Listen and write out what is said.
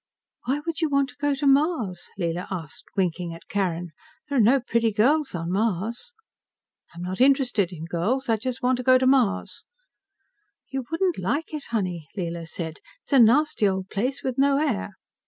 "Why would you want to go to Mars?" Leela asked, winking at Carrin. "There are no pretty girls on Mars." "I'm not interested in girls. I just want to go to Mars." "You wouldn't like it, honey," Leela said. "It's a nasty old place with no air."